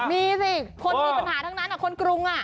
มีสิคนมีปัญหาทั้งนั้นคนกรุง